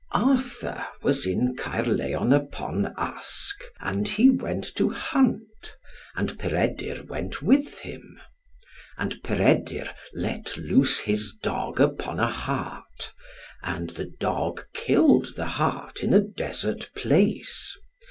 Arthur was in Caerlleon upon Usk; and he went to hunt, and Peredur went with him. And Peredur let loose his dog upon a hart, and the dog killed the hart in a desert place.